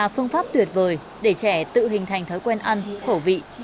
phương pháp tuyệt vời để trẻ tự hình thành thói quen ăn khẩu vị